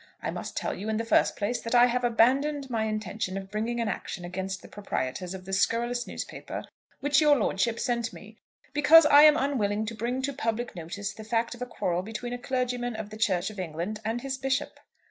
I must tell you, in the first place, that I have abandoned my intention of bringing an action against the proprietors of the scurrilous newspaper which your lordship sent me, because I am unwilling to bring to public notice the fact of a quarrel between a clergyman of the Church of England and his Bishop.